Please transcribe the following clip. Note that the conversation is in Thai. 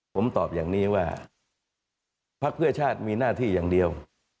ผมตอบอย่างนี้ว่าพักเพื่อชาติมีหน้าที่อย่างเดียว